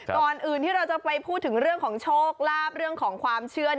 ก่อนอื่นที่เราจะไปพูดถึงเรื่องของโชคลาภเรื่องของความเชื่อ